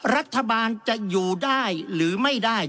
รัฐบาลจะอยู่ได้หรือไม่ได้